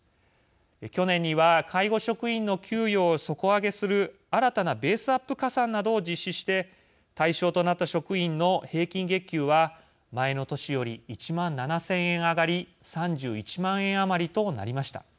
去年には介護職員の給与を底上げする新たなベースアップ加算などを実施して対象となった職員の平均月給は前の年より１万７０００円上がり３１万円余りとなりました。